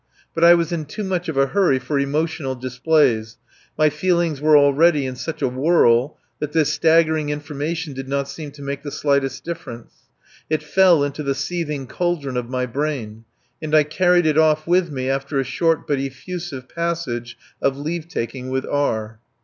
But I was in too much of a hurry for emotional displays. My feelings were already in such a whirl that this staggering information did not seem to make the slightest difference. It merely fell into the seething cauldron of my brain, and I carried it off with me after a short but effusive passage of leave taking with R.